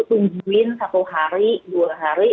tungguin satu hari dua hari